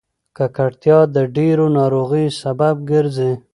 ککړتیا د ډېرو ناروغیو سبب ګرځي.